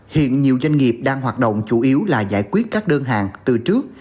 hiện nhiều doanh nghiệp đang hoạt động chủ yếu là giải quyết các đơn hàng từ trước